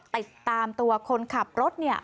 ติดตามตัวคนขับรถเนี่ย